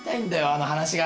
あの噺が。